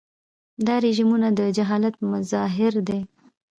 دا رژیمونه د جاهلیت مظاهر دي.